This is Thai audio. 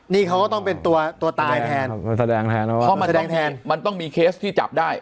นี่เขาก็ต้องเป็นตัวตัวตายแทนแสดงแทนเพราะมันแสดงแทนมันต้องมีเคสที่จับได้